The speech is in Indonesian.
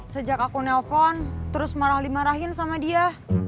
sejak aku nelpon terus marah lih marahin sama dia